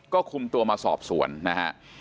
ก็คุมตัวมาสอบสวนนะฮะ